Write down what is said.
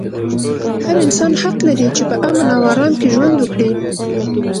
هر انسان حق لري چې په امن او ارام کې ژوند وکړي.